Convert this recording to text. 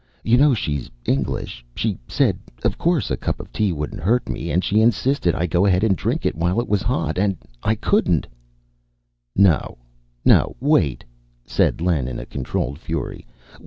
"You know she's English she said of course a cup of tea wouldn't hurt me, and she insisted I go ahead and drink it while it was hot, and I couldn't " "No, no wait," said Len in a controlled fury.